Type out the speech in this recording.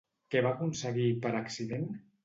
Què va aconseguir, per accident?